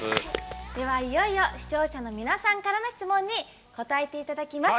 いよいよ視聴者の皆さんからの質問に答えていただきます。